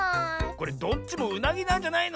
これどっちもうなぎなんじゃないの？